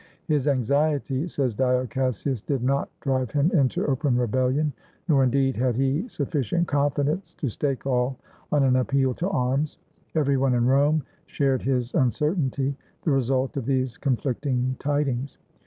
"His anxiety," says Dio Cassius, "did not drive him into open rebellion, nor, indeed, had he suffi cient confidence to stake all on an appeal to arms. Every one in Rome shared his uncertainty, the result of these conflicting tidings.